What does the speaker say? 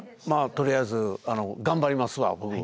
まあとりあえず頑張りますわ僕。